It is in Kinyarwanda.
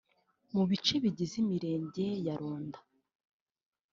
mu bice bigize imirenge ya Runda